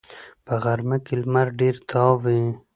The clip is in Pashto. په غرمه کې لمر ډېر تاو وي